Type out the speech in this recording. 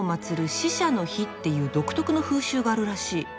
「死者の日」っていう独特の風習があるらしい。